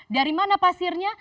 dari mana pasirnya